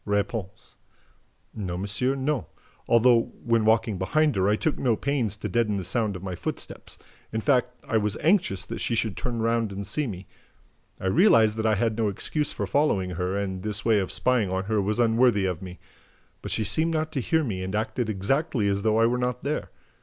R. "No, monsieur, no, although, when walking behind her, I took no pains to deaden the sound of my footsteps. In fact, I was anxious that she should turn round and see me. I realized that I had no excuse for following her and that this way of spying on her was unworthy of me. But she seemed not to hear me and acted exactly as though I were not there.